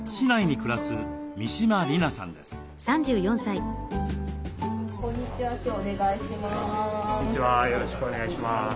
よろしくお願いします。